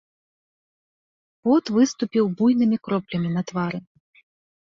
Пот выступіў буйнымі кроплямі на твары.